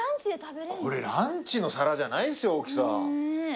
これランチの皿じゃないですよ大きさ。